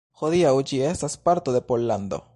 Hodiaŭ ĝi estas parto de Pollando.